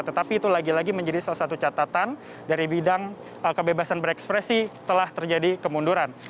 tetapi itu lagi lagi menjadi salah satu catatan dari bidang kebebasan berekspresi telah terjadi kemunduran